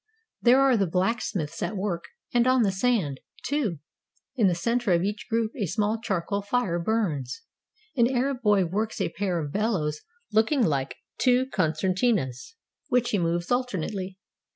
There are the blacksmiths at work, and on the sand, too; in the center of each group a small charcoal fire burns. An Arab boy works a pair of bellows looking like two concertinas, which he moves alternately.